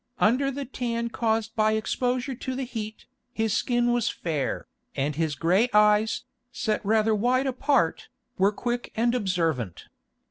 Under the tan caused by exposure to the heat, his skin was fair, and his grey eyes, set rather wide apart, were quick and observant.